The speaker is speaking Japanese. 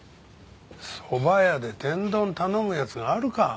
そば屋で天丼頼む奴があるか！